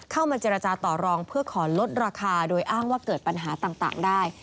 เข้ามาเจรจาต่อรองเพื่อขอลดราคาโดยอ้างว่าเกิดปัญหาต่างได้